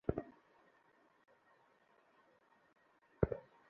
আমরা এখানে এসেছি কারন আমাদের পরবর্তী জীবন সম্পর্কে সিদ্ধান্ত নিতে পারি।